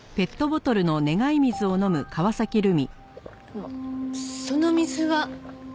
あのその水は？